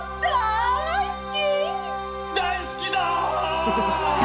大好きだぁ！！